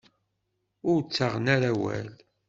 Ur ttaɣen ara awal.